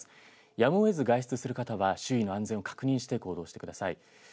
やむを得ず外出される方は周辺の安全を確認して外出してください。